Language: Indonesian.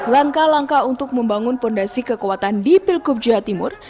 langkah langkah untuk membangun fondasi kekuatan di pilkub jawa timur